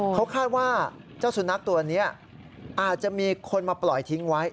เขาคาดว่าเจ้าสุนัขตัวนี้อาจจะมีคนมาปล่อยทิ้งไว้